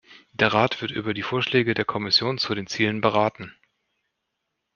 Der Rat wird über die Vorschläge der Kommission zu den Zielen beraten.